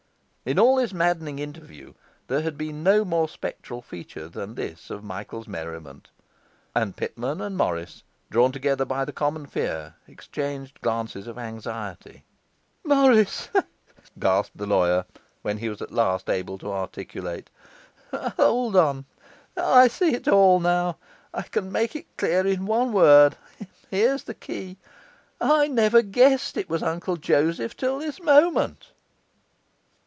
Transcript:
In all this maddening interview there had been no more spectral feature than this of Michael's merriment; and Pitman and Morris, drawn together by the common fear, exchanged glances of anxiety. 'Morris,' gasped the lawyer, when he was at last able to articulate, 'hold on, I see it all now. I can make it clear in one word. Here's the key: I NEVER GUESSED IT WAS UNCLE JOSEPH TILL THIS MOMENT.